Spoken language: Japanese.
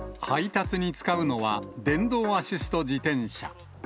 配達に使うのは、電動アシスト自転車。